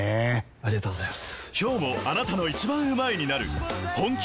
ありがとうございます！